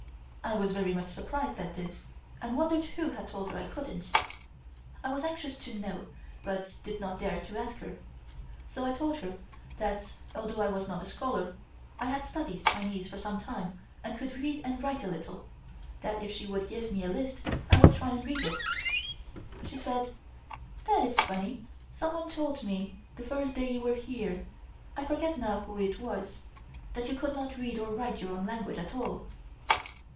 I was very much surprised at this and wondered who had told her I couldn't. I was anxious to know, but did not dare to ask her, so I told her that although I was not a scholar, I had studied Chinese for some time and could read and write a little, that if she would give me a list I would try and read it. She said: "That is funny, someone told me the first day you were here, I forget now who it was, that you could not read or write your own language at all."